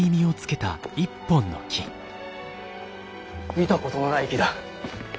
見たことのない木だ。